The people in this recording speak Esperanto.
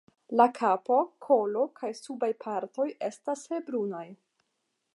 La kapo, kolo kaj subaj partoj estas helbrunaj.